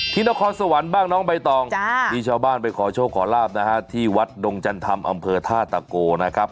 นครสวรรค์บ้างน้องใบตองมีชาวบ้านไปขอโชคขอลาบนะฮะที่วัดดงจันธรรมอำเภอท่าตะโกนะครับ